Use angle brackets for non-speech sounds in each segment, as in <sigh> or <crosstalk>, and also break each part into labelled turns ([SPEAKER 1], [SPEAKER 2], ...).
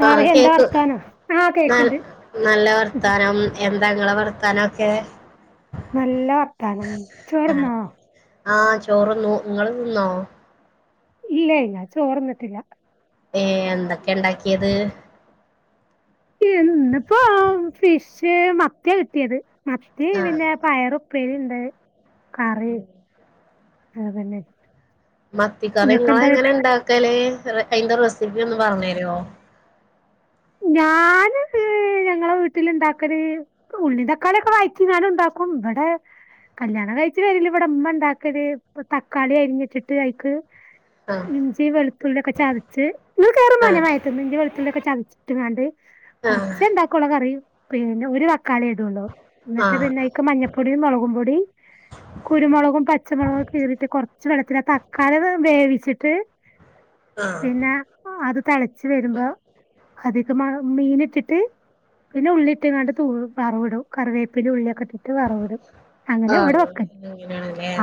[SPEAKER 1] വേറെ
[SPEAKER 2] ആഹ്
[SPEAKER 1] എന്താ
[SPEAKER 2] കേക്ക്
[SPEAKER 1] വർത്താനം ആഹ്
[SPEAKER 2] ന
[SPEAKER 1] കേക്ക്ണ്ട്
[SPEAKER 2] നല്ല വർത്താനം എന്താ ങ്ങളെ വർത്താനൊക്കെ
[SPEAKER 1] നല്ല വർത്താനം ചോർന്നോ
[SPEAKER 2] ആ ചോറ്ന്നൂ നിങ്ങള്തിന്നോ
[SPEAKER 1] ഇല്ല ഇല്ല ചോർ തിന്നിട്ടില്ല
[SPEAKER 2] ഏ എന്തക്കെ ഉണ്ടാക്കിയത്
[SPEAKER 1] ഇന്നിപ്പോ ഫിഷ് മത്തിയാ കിട്ടിയത് മത്തി
[SPEAKER 2] ആഹ്
[SPEAKER 1] പിന്നെ പയറുപ്പേരിണ്ട് കറി അതന്നെ
[SPEAKER 2] മത്തിക്കറി
[SPEAKER 1] ഇങ്ങക്കെന്താ
[SPEAKER 2] ഇങ്ങളെങ്ങനെ ഇണ്ടാക്കല് അയിന്റെ റെസിപ്പി ഒന്ന് പറഞ്ഞരോ
[SPEAKER 1] ഞാന് ഹ് ഞങ്ങളെ വീട്ടിൽ ഇണ്ടാക്കല് ഉള്ളിംതക്കാളിഒക്കെ വായിറ്റിങ്ങാനുംഉണ്ടാക്കും ഇവിടെ കല്യാണം കഴിച്ച് പെരീല് വ്ടെ മ്മ ണ്ടാക്കല് തക്കാളി അരിഞ്ഞിട്ടിട്ട് അയ്ക്ക്
[SPEAKER 2] ആഹ്
[SPEAKER 1] ഇഞ്ചി വെളുത്തുള്ളി ഒക്കെ ചതച്ച് ഇങട് കേറ്
[SPEAKER 2] ആഹ്
[SPEAKER 1] മോനെമയത്ത് ന്ന് ഇഞ്ചി വെളുത്തുള്ളിക്കെ ചതച്ചിട്ട്ടിങാണ്ട്
[SPEAKER 2] ആഹ്
[SPEAKER 1] കുറച്ചേണ്ടാക്കൊള്ളു കറി പിന്നെ ഒരു തക്കാളിയേ ഇടൊള്ളൂ ന്നിട്ട്
[SPEAKER 2] ആഹ്
[SPEAKER 1] പിന്നെ മഞ്ഞൾപ്പൊടി മുളകും പൊടി കുരുമുളകും പച്ചമുളകും ഒക്കെ കീറിട്ട് കുറച്ച് വെള്ളത്തില് അതക്കാളി വേവിച്ചിട്ട്
[SPEAKER 2] ആഹ്
[SPEAKER 1] പിന്നെ അത് തിളച്ച്‌വരുമ്പോ അതീക്ക് മന മീനിട്ടിട്ട് പിന്നെ ഉള്ളിട്ട്ങ്ങാണ്ട് തൂമ് വറവിടും കറിവേപ്പില ഉള്ളിഒക്കെ ഇട്ട്ങാഢ് വറവിടും. അങ്ങന വ്ടെ
[SPEAKER 2] ആഹ്
[SPEAKER 1] വെക്കല്
[SPEAKER 2] അങ്ങനെയാണല്ലേ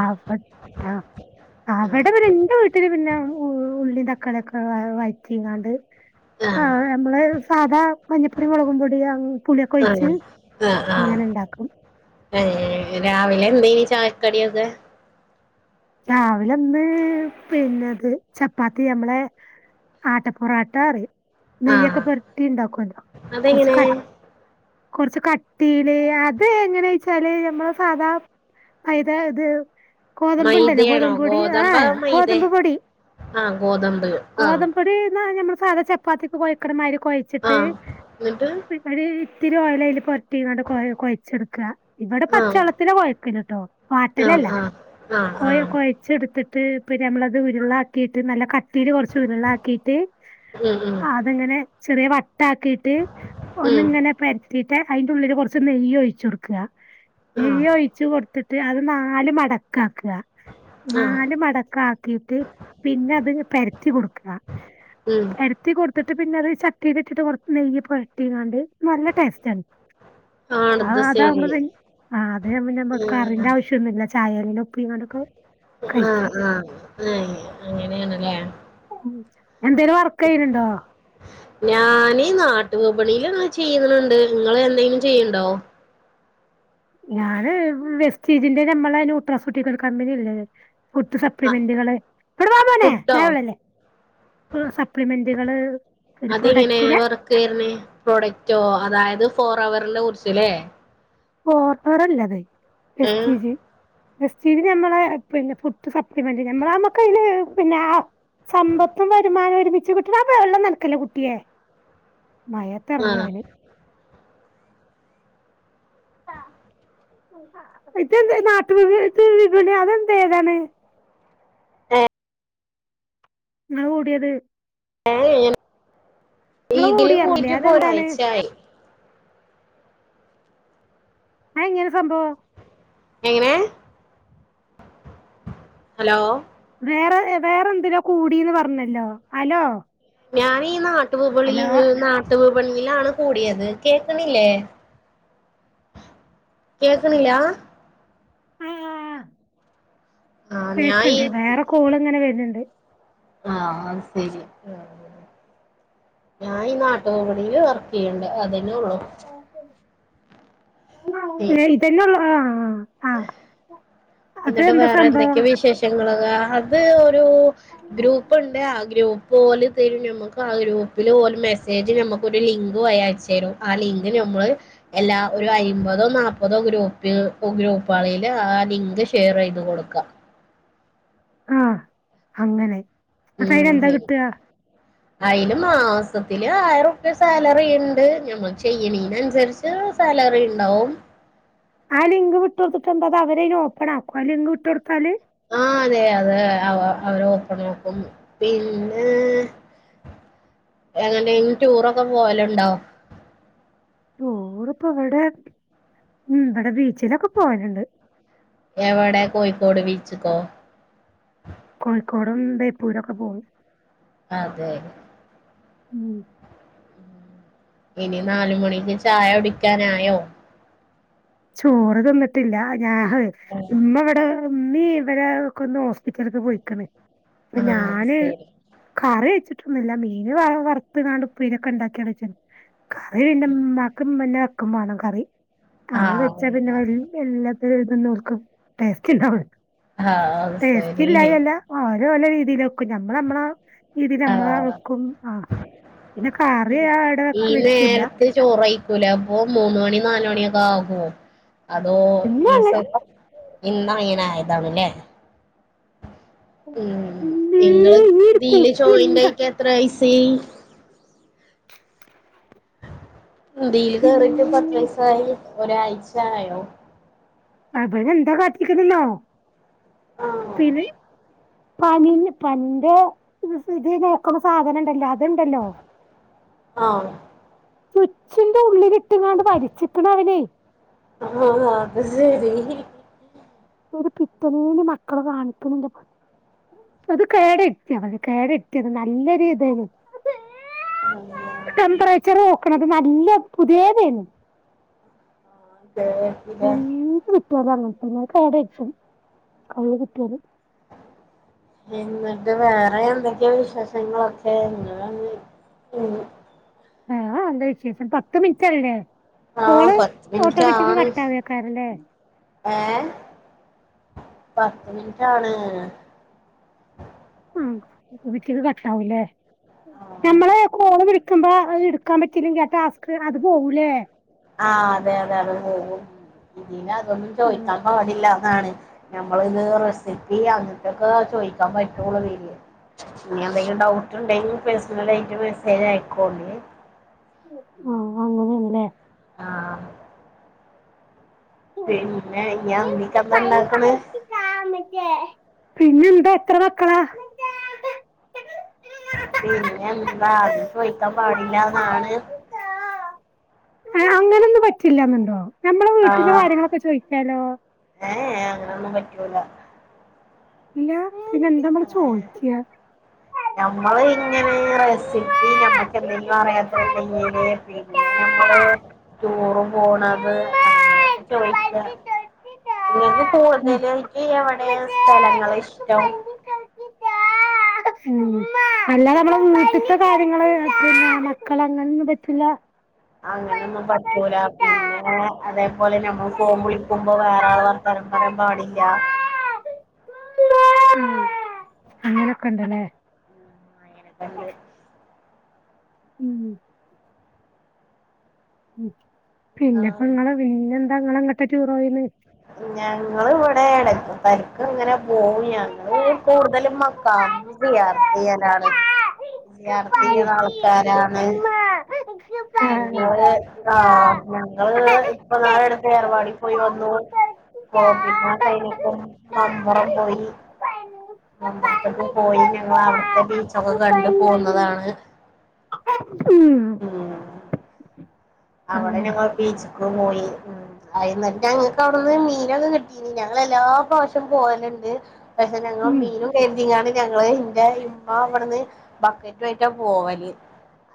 [SPEAKER 1] അവടെ
[SPEAKER 2] ആഹ്
[SPEAKER 1] അവിടെ ഇന്റെ വീ ഒത്തിരി പിന്നെ ഉള്ളി തക്കളിയൊക്കെ വഴറ്റി ഇങ്ങാണ്ട് ആ
[SPEAKER 2] ആഹ്
[SPEAKER 1] നമ്മള് സാധാ മഞ്ഞപ്പൊടി മുളകുമ്പൊടി ഹ പുളിയൊക്കെ ഒഴിച്ച്
[SPEAKER 2] ആഹ്
[SPEAKER 1] അങ്ങനെ ഉണ്ടാക്കും
[SPEAKER 2] ഏ രാവിലെ എന്തെയ്നി ചായക്കടിഒക്കെ
[SPEAKER 1] രാവിലെ ഇന്ന് പിന്നെത് ചപ്പാത്തി നമ്മളെ ആട്ട പൊറാട്ട അറിയും
[SPEAKER 2] ആഹ്
[SPEAKER 1] നെയ്യൊക്കെ പൊരട്ടി ണ്ടാക്കുല്ലോ കൊറച്ച്
[SPEAKER 2] അതെങ്ങനെ
[SPEAKER 1] കട്ടി കുറച്ച് കട്ടിയില് അത് എങ്ങനെയെച്ചാല് ഞമ്മള് സാധാ അയ്താ ഇത് കോതമ്പ് <unintelligible>
[SPEAKER 2] മൈദയാണോ
[SPEAKER 1] ഗോതമ്പൊടി? ആഹ്
[SPEAKER 2] ഗോതമ്പോ
[SPEAKER 1] ഏ..
[SPEAKER 2] മൈദേ
[SPEAKER 1] ഗോതമ്പ് പൊടി,
[SPEAKER 2] ആ ഗോതമ്പ് ആ
[SPEAKER 1] ഗോതമ്പ് ഒര് ന്നാ, ഞമ്മൾ സാധ ചപ്പാത്തിക്ക് കൊഴക്ക്ണമാരി
[SPEAKER 2] ആ
[SPEAKER 1] കൊഴച്ചിട്ട്
[SPEAKER 2] എന്നിട്ട്
[SPEAKER 1] ഒര് ഇത്തിരി ഓയൽ അയ്ല് പൊരറ്റിങ്ങാണ്ട് കൊഴ, കൊഴച്ച്ട്ക്ക. ഇവിടെ പച്ചള്ളത്തിലാ കൊ ക്ക്ന്ട്ടോ
[SPEAKER 2] ആഹ്, ആഹ്
[SPEAKER 1] കൊഴ, കൊഴച്ചെടുത്തിട്ട്, പിന്നെ നമ്മളത് ഉരുളാക്കിട്ട്, നല്ല കട്ടീല് കുറച്ച് ഉരുളാക്കീട്ട്
[SPEAKER 2] ആഹ്, ആഹ്
[SPEAKER 1] ങ്ങനെ ചെറിയ വട്ടാക്കിട്ട്
[SPEAKER 2] ഉം
[SPEAKER 1] ഒന്ന്ങ്ങനെ പരത്തീട്ട്, അയിന്റെ ഉള്ളില് കൊറച്ച് നെയ്യ് ഒഴിച്ചൊട്ക്ക.
[SPEAKER 2] ആ
[SPEAKER 1] നെയ്യ് ഒഴി ച്ച് കൊടുത്തിട്ട് അത് നാല് മടക്കാക്ക.
[SPEAKER 2] ആ
[SPEAKER 1] നാല് മടക്കാക്കീട്ട് പിന്നത് പരത്തി കൊടുക്ക.
[SPEAKER 2] ഉം
[SPEAKER 1] പര ത്തി കൊടുത്തിട്ട്, പിന്നെ അത് ചട്ടീലിട്ടിട്ട് കൊറച്ച് നെയ്യ് പൊരട്ടിങ്ങാണ്ട്, നല്ല ടേസ്റ്റാണ്. ആ
[SPEAKER 2] ആണത് ശരി
[SPEAKER 1] അതാവുമ്പോ പിൻ, ആ അതേ പിന്നെ,
[SPEAKER 2] ആ
[SPEAKER 1] കറിന്റെ ആവശ്യ ന്നുല്ല. ചായേല് ഒപ്പിക്കാണ്ടൊക്കെ
[SPEAKER 2] ആഹ്.. ആഹ്. ഏഹ്, അങ്ങനെണ്ല്ലേ?
[SPEAKER 1] <inaudible> വർക്ക് ചെയ്യണുണ്ടോ
[SPEAKER 2] <inaudible> ഞാന് നാട്ട് വിപണിലൊന്ന് ചെയ്യ്ണ്ണ്ണ്ട്. ഇങ്ങള് എന്തേലും ചെയ്യ്ണ്ടോ?
[SPEAKER 1] ഞാന് വെസ്റ്റ്റ്റീജിന്റെ, നമ്മളെ നൂട്ര <unintelligible> കമ്പനില്ലേ. ! ഫുഡ്‌
[SPEAKER 2] ആ
[SPEAKER 1] സപ്ലിമെന്റുകള്. ഇവ്ടെ വാ മോനെ..
[SPEAKER 2] ഫുഡോ
[SPEAKER 1] മായൊള്ളല്ലേ. സപ്ലിമെന്റുകള്. പിന്നെ, പ്രൊഡക്റ്റിനെ
[SPEAKER 2] ക്കെർന്. പ്രൊഡക്റ്റോ? അതായത് ഫോർ അവറിനെ കുറിച്ച്ല്ലേ?
[SPEAKER 1] ഫോർ എവറല്ല അത്.
[SPEAKER 2] ഏ
[SPEAKER 1] എസ്റ്റി ജ് ബെസ്റ്റീജ് ഞമ്മളെ, പിന്നെ ഫുഡ് സപ്ലിമെന്റ് മ്മളെ, മ്മക്ക് അയിന്ന് പിന്നെ, സമ്പത്തും, വരുമാനം ഒരുമിച്ച് കിട്ടണെ, ആ വെള്ളം നൻക്കല്ലേ കുട്ടിയെ.. ! മയെത്ത്
[SPEAKER 2] ആ
[SPEAKER 1] എറങ്ങ അവന് ഇതെന്താ? നാട്ടു വിപണി അതെന്താ? ഏതാണ്‌? ന്നാ കൂടിയേത്?
[SPEAKER 2] <unintelligible>
[SPEAKER 1] നിങ്ങള്
[SPEAKER 2] ഇതില്
[SPEAKER 1] കൂടിയറിഞ്ഞില്ലേ
[SPEAKER 2] കൂടിട്ട്
[SPEAKER 1] അതെന്താണ്
[SPEAKER 2] പ്പൊരാഴ്ച ആയി.
[SPEAKER 1] അയെങ്ങനെ സംഭവം?
[SPEAKER 2] എങ്ങനെ? ഹലോ..?
[SPEAKER 1] വേറെ, വേറെ എന്തിലോ കൂടിന്ന് പറഞ്ഞല്ലോ? അലോ?
[SPEAKER 2] ഞാൻ ഈ നാട്ടു വിപളി, നാട്ടു വിപണിലാണ് കൂടെയ്ത്. കേക്കണില്ലേ? കേക്ക്‌ണ്ല്ലാ?
[SPEAKER 1] ആഹ്, ആ
[SPEAKER 2] ആ ഞാൻ ഈ
[SPEAKER 1] കേക്ക്ണ്ട്, വേറെ കോള് ങ്ങനെ വെര്ന്ണ്ട്.
[SPEAKER 2] ആഹ്, അത് സെരി. ആഹ് ഞാന് ഈ നാട്ടുവിപണിയില് വർക്ക് ചെയ്യണ്ട്. അതെന്നെ ഒള്ളു. ഉള്ളു
[SPEAKER 1] ഏ.. ! ഇതെന്നെള്ളൂ? ആഹ്, ആ. ആഹ്
[SPEAKER 2] ഇന്നട്ട് വേറെ എന്തൊക്കെ വിശേഷങ്ങള്? അത് ഒരു ഗ്രൂപ്പ്ണ്ട്, ആ ഗ്രൂപ്പ് പോല് തരും ഞമ്മക്ക് ആ ഗ്രൂപ്പില് ഓല് മെസ്സേജ് നമുക്കൊരു ലിങ്ക് വയി അയച്ചു തരും ആ ലിങ്ക് ഞമ്മള് എല്ലാ ഒരു അയ്മ്പതോ നാപ്പതോ ഗ്രൂപ്പിൽ ഗ്രൂപ്പളില് ആ ലിങ്ക് ഷെയർ ചെയ്ത് കൊടുക്കുക
[SPEAKER 1] ആഹ് അങ്ങനെ അപ്പ അയിന് എന്താ കിട്ട?
[SPEAKER 2] അതിന് മാസത്തില് ആയിരം രുപ്യാ സാലറി ഉണ്ട് ഞമ്മൾ ചെയ്യണീന്നുസരിച്ച് സാലറി ഉണ്ടാവും
[SPEAKER 1] ആ ലിങ്ക് വിട്ടുകൊടുത്തിട്ടെന്താ അത് അവരയ്നോപ്പണാക്കുവ ആ ലിങ്ക് വിട്ട് കൊടുത്താല്
[SPEAKER 2] ആഹ് അതെ അതെ അവ അവര് ഓപ്പണാക്കും പിന്നെ എങ്ങടേലും ടൂറൊക്കെ പോവലൊണ്ടാ
[SPEAKER 1] ടൂറിപ്പവിടെ ഉം ഇബടെ ബീച്ചിലൊക്കെ പോവല്ണ്ട്
[SPEAKER 2] എവടെ കോയിക്കോട് ബീച്ച്ക്കോ
[SPEAKER 1] കോഴിക്കോടും ബേപ്പൂരൊക്കെ പോവും
[SPEAKER 2] അതെ
[SPEAKER 1] ഉം
[SPEAKER 2] ഇനി നാല് മണിക്ക് ചായ കുടിക്കാനായോ?
[SPEAKER 1] ചോറ് തിന്നിട്ടില്ല ഞാ ഉമ്മ ഇവിടെ ഉമ്മീ ഇവരെ കൊണ്ട് ഹോസ്പിറ്റലിലക്ക് പോയിക്കണ അപ്പ
[SPEAKER 2] ആ അത്
[SPEAKER 1] ഞാന്
[SPEAKER 2] ശരി
[SPEAKER 1] കറി വെച്ചിട്ടൊന്നില്ല മീന് വറുത്തുകാണ്ട് ഉപേരിക്ക്‌ ഇണ്ടാകി വച്ചു കറി പിന്നെ ഉമ്മാക്കും പിന്നെ എനക്കും വേണം കറി കാ
[SPEAKER 2] ആ
[SPEAKER 1] വെച്ചാ പിന്നെ എല്ലാത്തിന്നും നോക്കും ടേസ്റ്റ് <unintelligible>
[SPEAKER 2] ആ അത് ശരി
[SPEAKER 1] ടേസ്റ്റില്ലായില്ല ഓര് ഓരോ രീതിയില് ക്കും നമ്മള് നമ്മള രീതിൽ
[SPEAKER 2] ആ
[SPEAKER 1] നമ്മള വക്കും ആഹ് പിന്നെ കറി ആഹ് ഇടൊക്കെ വെച്ചില്ല
[SPEAKER 2] ചോറ് കയിക്കൂല അപ്പോ മൂന്ന്‌ മണി നാലുമണിയൊക്കെ ആകുമോ അതോ
[SPEAKER 1] പിന്നെ
[SPEAKER 2] ഈ-
[SPEAKER 1] അങ്ങനെ
[SPEAKER 2] ഇന്ന്‌ ഇങ്ങനെയായതാണല്ലേ ഉം
[SPEAKER 1] ഇമ്മേ
[SPEAKER 2] ഇങ്ങള്
[SPEAKER 1] ഈ ഒരു
[SPEAKER 2] ഇതില്
[SPEAKER 1] കുട്ടി
[SPEAKER 2] ജോയിന്റാക്കി എത്ര വയസായി? ഇതിൽ കേറിയിട്ട് പത്ത്
[SPEAKER 1] എന്താ
[SPEAKER 2] ദിവസായി ഒരാഴ്ചയായോ
[SPEAKER 1] അവര് എന്താ കാത്തിക്കുന്നന്നോ
[SPEAKER 2] ആ
[SPEAKER 1] പിനി- പനി പനിന്റെ ഇത് നോക്കുന്ന സാധനം ഉണ്ടല്ലോ ഇതുണ്ടല്ലോ
[SPEAKER 2] ആ
[SPEAKER 1] സ്വിച്ചിന്റെ ഉള്ളിലിട്ടുങ്ങാണ്ട് വലിച്ചിക്കണ് അവന്
[SPEAKER 2] ആഹ് ആഹ് അത് ശരി
[SPEAKER 1] ഒരു പിത്തനേന് മക്കള് കാണിക്കുന്നുണ്ട് അത് കേട് ഇട്ടിയ അത് കേട് ഇട്ടിയ നല്ല രീതിയില് റ്റെമ്പറേച്ചർ നോക്കണത് നല്ല പുതിയ താനു
[SPEAKER 2] ഏഹ്
[SPEAKER 1] ന്ത്‌ കിട്ടിയാലാണ് കേട്ര്ത്തും കയ് കിട്ടിയാല്
[SPEAKER 2] എന്നിട്ട് വേറെ എന്തൊക്കെയ വിശേഷങ്ങളൊക്കെ ഇങ്ങള് <unintelligible> ഉം
[SPEAKER 1] ആഹ് എന്താ വിശേഷം പത്ത് മിനിറ്റ് അല്ലേ
[SPEAKER 2] ആഹ്
[SPEAKER 1] കോള്
[SPEAKER 2] പത്ത് മിനിറ്റ്
[SPEAKER 1] ഓട്ടോമാറ്റിക്
[SPEAKER 2] ആണ്
[SPEAKER 1] കട്ട്‌വക്കാറല്ലേ
[SPEAKER 2] ഏഹ് പത്ത് മിനിറ്റാണ്
[SPEAKER 1] ഹും <unintelligible> കട്ടാവൂല്ലേ
[SPEAKER 2] ആഹ്
[SPEAKER 1] ഞമ്മള കോള് വിളി എടുക്കുമ്പോ അത് എടുക്കാൻ പറ്റീലെങ്കി ആ ടാസ്ക് അങ്ങ് പോകൂലേ
[SPEAKER 2] ആഹ് അതെ അതെ അതെ അത് പോകും ഇതിന് അതൊന്നും
[SPEAKER 1] ആഹ്
[SPEAKER 2] ചോദിക്കാൻ പാടില്ല ആണ് നമ്മളിത് റെസിപ്പി അങ്ങൻതൊക്കെ ചോയിക്കാൻ പറ്റുള്ളു ഇതില് ഇനി എന്തെങ്കിലും ഡൗട്ട് ഉണ്ടെങ്കിൽ പേഴ്സണൽ ആയിട്ട് മെസ്സേജ് ആയക്കോ നി
[SPEAKER 1] ആഹ് അങ്ങനെയാണല്ല
[SPEAKER 2] ആഹ് പിന്നെ ഇയ്യ് അമ്മിക്കലില്ല ഇണ്ടാക്കണ്
[SPEAKER 1] പിന്നെന്താ എത്ര മക്കളാ?
[SPEAKER 2] പിന്നെ എന്താ ചോദിക്കാൻ പാടില്ലന്ന് അന്ന്
[SPEAKER 1] അങ്ങനെയൊന്നും പറ്റില്ലന്നുണ്ടോ? നമ്മൾടെ വീട്ടിലെ
[SPEAKER 2] ആഹ്
[SPEAKER 1] കാര്യങ്ങളൊക്കെ ചോയിക്കാലോ
[SPEAKER 2] ഏ ഏ അങ്ങനെയൊന്നും പറ്റൂല
[SPEAKER 1] ഇല്ല പിന്നെന്താ നമ്മള്
[SPEAKER 2] ഏഹ്
[SPEAKER 1] ചോയിക്ക്യ
[SPEAKER 2] നമ്മള് ഇങ്ങനെ റെസിപ്പി നമ്മക്ക് എന്തെങ്കിലുറിയാതെ ണ്ടെങ്കിൽ പി അങ്ങനെ നമ്മള് ടൂറ് പോണത് അങ്ങനെയൊക്കെ ചോയിക്ക നിങ്ങൾക്ക് കൂടുതല് എനിക്ക് എവിടെ സ്ഥലങ്ങള് ഇഷ്ടം
[SPEAKER 1] ഉം അല്ല നമ്മൾടെ വീട്ടിലാത്ത കാര്യങ്ങള് പിന്നെ മകൾ അങ്ങനെ ഒന്നും പറ്റില്ല
[SPEAKER 2] അങ്ങനെയൊന്നും പറ്റൂല പിന്നെ അതേപോലെ നമ്മൾ ഫോൺ വിളിക്കുമ്പോ വേറെ ആൾ- സ്ഥലം പറയാൻ പാടില്ല
[SPEAKER 1] അങ്ങനൊക്കെണ്ട്ല്ലേ
[SPEAKER 2] അങ്ങനെ തന്നെ
[SPEAKER 1] ഉം ഉം പിന്നെപ്പ ഇങ്ങെള് പിന്നെന്താ ങ്ങളെങ്ങട്ടാ ടൂറോയിന്ന്
[SPEAKER 2] ഞങ്ങള് ഇവിടെണ് പര്ക്കങ്ങനെ പോയി ഞങ്ങള് കൂടുതലും മക്കാം സിയാർത്തെയ്യാനാണ് സിയാർ ത്തെയ്യാൻ ആൾക്കാരാണ് <inaudible> ആഹ് ഞങ്ങള് ഇപ്പൊ നാളടുത്ത് ഏർവാടി പോയി വന്നു ഓഹ് പിന്നെ ആ സൈനിക്കും മമ്പുറം പോയി മമ്പൊർത്ക്ക് പോയി ഞങ്ങള് അവിട് ത്തെ ബീച്ചൊക്കെ കണ്ട് പോന്നതാണ്.
[SPEAKER 1] <inaudible>
[SPEAKER 2] ഉം അവിടെ
[SPEAKER 1] അങ്ങനെ
[SPEAKER 2] ഞങ്ങൾ ബീച്ക് പോയി. ഉം അയ്‌ന്നട്ട് ഞങ്ങക്ക് അവിടുന്ന് മീനൊക്കെ കിട്ടീനി ഞങ്ങള് എല്ലാ പ്രാവശ്യം പോവല്ണ്ട്. <unintelligible> ഞങ്ങളും
[SPEAKER 1] ഉം,
[SPEAKER 2] മീനും കര്തിങ്ങാണ്ട് ഞങ്ങള് ന്റെ ഇമ്മ ഇവട്ന്ന് ബക്കറ്റു ആയിട്ടാ പോവല്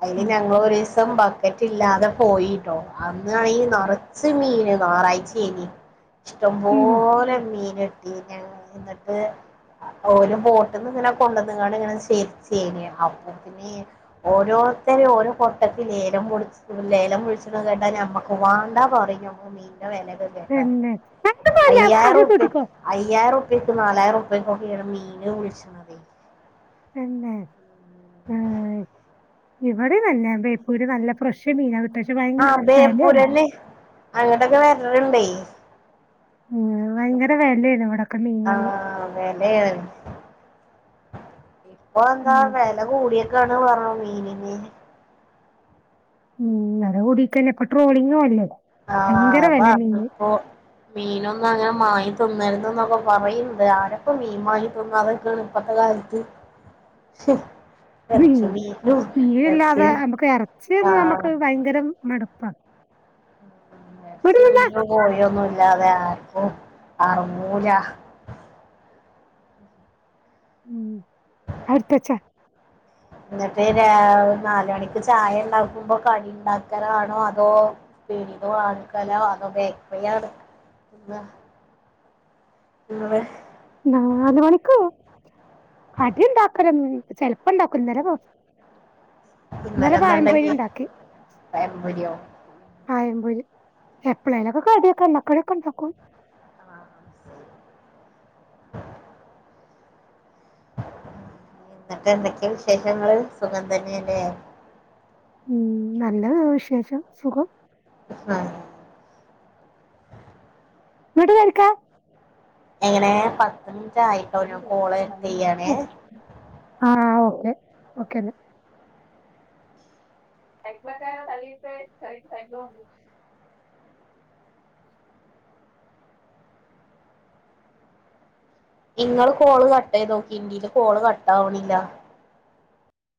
[SPEAKER 2] അയില്
[SPEAKER 1] ഉം,
[SPEAKER 2] ഞങ്ങള് ഒരീസം ബക്കറ്റ് ഇല്ലാതെ പോയിട്ടോ അന്നാണെങ്കി നറച്ച് മീൻ നാറാഴ്ചേനി
[SPEAKER 1] ഉം,
[SPEAKER 2] ഇഷ്ടംപോലെ മീന്ട്ടി ഞങ്ങക്ക് ഓലും ബോട്ട്ന്ന് ങ്ങനെ കൊണ്ടന്ന്കാണ്ട് ങ്ങനെ ചെരി ചെരിയാ അപ്പോതിന് ഓരോരുത്തര് ഓരോ കൊട്ടക്ക് ലേലം വി ൾച്ചി ലേലം വിൾച്ണ കേട്ടാ ഞമ്മക്ക് വാണ്ടാ പറിം ഞമ്മ മീൻന്റെ വെല കേ കേട്ടാൽ
[SPEAKER 1] തന്നെ അങ്ങോട്ട് പോയില്ല അങ്ങോട്ട്
[SPEAKER 2] അയ്യായിറുർപ്പിയാ
[SPEAKER 1] കൂട്ടിക്കോ
[SPEAKER 2] അയ്യായിറുപ്യക്ക് നാലായിറുപ്യക്ക് ഓക്കേണ് മീന് വിളിച്ണ
[SPEAKER 1] തന്നെ ഏഹ് ഇവിടെ തന്നെ ബേപ്പൂര് നല്ല ഫ്രഷ് മീന കിട്ടാ ശെ ഭയങ്കര വെലേണ്
[SPEAKER 2] അങ്ങിട്ടൊക്കെ വര്ല്ണ്ടേ
[SPEAKER 1] വയങ്കര വെലേണ് ഇവിടൊക്കെ മീൻന്ന്
[SPEAKER 2] വെലെണ് ഇപ്പൊ എന്താ
[SPEAKER 1] ഉം,
[SPEAKER 2] വെല കൂടി കാണ് പറഞ്ഞു മീന് ന്ന്
[SPEAKER 1] ഉം ങ്ങനെ കൂടിയെക്കെന്നെ ഇപ്പൊ ട്രോളിങ്ങും അല്ലേ ഭയങ്കര
[SPEAKER 2] ആഹ്
[SPEAKER 1] വില മീന്
[SPEAKER 2] <unintelligible> മീനൊന്നും അങ്ങനെ മാങ്ങി തിന്നരുത് ന്നൊക്കെ പറയ്ണ്ട്‌ ആരപ്പോ മീൻ മാങ്ങി തിന്നാതക്കാണ് ഇപ്പത്തെ കാലത്ത്. ശെ
[SPEAKER 1] ബീ മീന് ഇല്ലാതെ നമുക്ക് ഇറച്ചി എന്നും നമക്ക്
[SPEAKER 2] ആഹ്
[SPEAKER 1] ഭയങ്കരം മടുപ്പാ ഇങ്ങട്
[SPEAKER 2] ഈ
[SPEAKER 1] നിന്നെ
[SPEAKER 2] മീനും കോയിയൊന്നുല്ലാതെ ആർക്കും അറങ്ങൂല.
[SPEAKER 1] ഉം അഹ്ട്തെച്ച
[SPEAKER 2] ന്നട്ട് രാ നാല് മണിക്ക് ചായ ണ്ടാക്കുമ്പോ കടിണ്ടാക്കലാണോ അതോ പീടീന്ന് വാങ്ങിക്കലോ അതോ ബേക്ക്പെയ്യാണ് ന്ന് ങ്ങള്
[SPEAKER 1] നാല് മണിക്കോവും കടി ഉണ്ടാക്കൽണ്ട് ചെലപ്പം ണ്ടാക്കും ന്നലെ കൊ
[SPEAKER 2] ഇന്നലെന്താണ്ടാക്കിയെ
[SPEAKER 1] ഉണ്ടാക്കി
[SPEAKER 2] പയംപൊരിയോ
[SPEAKER 1] പയംമ്പൊരി എപ്പളെലൊക്കെ കടിയൊക്കെ എണ്ണക്കടിക്കെ ണ്ടാക്കും
[SPEAKER 2] ആ ശരി. ന്നട്ട് എന്തൊക്കെ വിശേഷങ്ങള് സുഖം തന്നെല്ലെ
[SPEAKER 1] ഉം നല്ല വിശേഷം സുഖം
[SPEAKER 2] ഹ
[SPEAKER 1] ങ്ങട്ട് കേറിക്ക
[SPEAKER 2] എങ്ങനെ പത്ത് മിനിറ്റ് ആയിട്ടോ ഞാൻ കോള് കട്ടയ്യാണെ
[SPEAKER 1] ആഹ് ഓക്കെ ഓക്കെന്നാ <unintelligible>
[SPEAKER 2] ഇങ്ങള് കോള് കട്ടായ് തോക്കി ഇന്നീന്റ കോള് കട്ടാവ്ണില്ല.